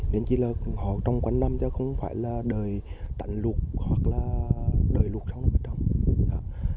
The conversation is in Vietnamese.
nên chỉ là họ trong khoảng năm chứ không phải là đợi tặng lụt hoặc là đợi lụt sau năm trước